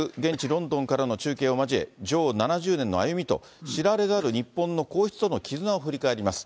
ロンドンからの中継を交え、女王７０年の歩みと、知られざる日本の皇室との絆を振り返ります。